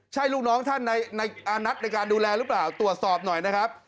ใช่ลูกน้องท่านในอานัทในการดูแลหรือเปล่าตรวจสอบหน่อยนะครับ